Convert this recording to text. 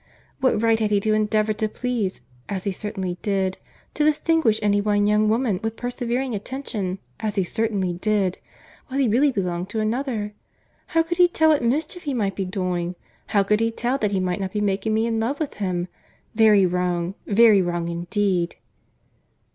What right had he to endeavour to please, as he certainly did—to distinguish any one young woman with persevering attention, as he certainly did—while he really belonged to another?—How could he tell what mischief he might be doing?—How could he tell that he might not be making me in love with him?—very wrong, very wrong indeed."